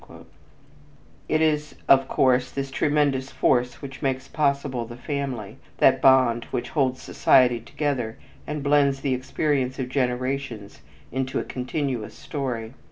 It is, of course, this tremendous force which makes possible the family, that bond which holds society together and blends the experience of generations into a continuous story.